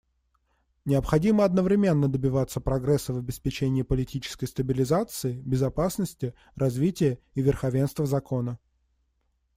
Необходимо одновременно добиваться прогресса в обеспечении политической стабилизации, безопасности, развития и верховенства закона.